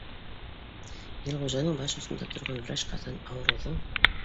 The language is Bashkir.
Илғужаның баш осонда торған врач ҡатын, ауырыуҙың